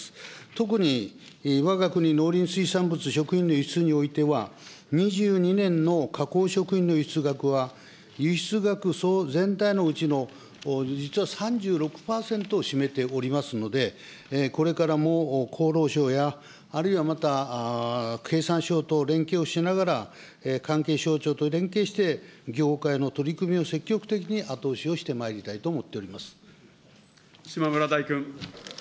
特にわが国農林水産物食品の輸出においては、２２年の加工食品の輸出額は、輸出額全体のうちの実は３６％を占めておりますので、これからも厚労省や、あるいはまた、経産省と連携をしながら、関係省庁と連携して、業界の取り組みを積極的に後押しをしてまいりたいと思っておりま島村大君。